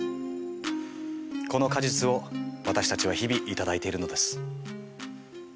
この果実を私たちは日々頂いているのです。